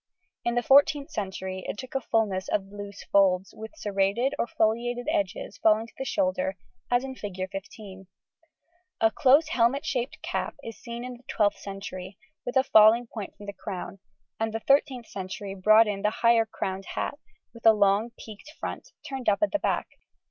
In the 14th century it took a fullness of loose folds, with serrated or foliated edges falling to the shoulder as in Fig. 15 (see p. 73). A close helmet shaped cap is seen in the 12th century, with a falling point from the crown, and the 13th century brought in the higher crowned hat, with a long peaked front, turned up at the back.